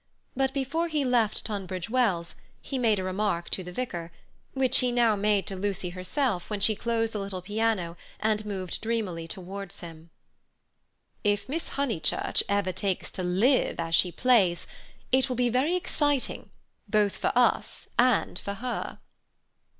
But before he left Tunbridge Wells he made a remark to the vicar, which he now made to Lucy herself when she closed the little piano and moved dreamily towards him: "If Miss Honeychurch ever takes to live as she plays, it will be very exciting both for us and for her."